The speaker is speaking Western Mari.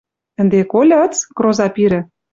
— Ӹнде кольыц? — кроза Пирӹ, —